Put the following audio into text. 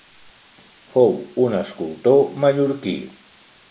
Fou un escultor mallorquí.